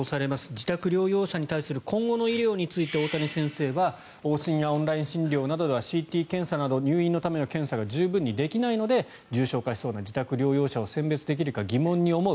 自宅療養者に対する今後の医療について大谷先生は往診やオンライン診療などではＣＴ検査など入院のための検査が十分にできないので重症化しそうな自宅療養者を選別できるか疑問に思う。